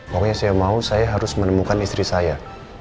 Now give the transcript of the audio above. pokoknya saya mau saya harus menemukan istri saya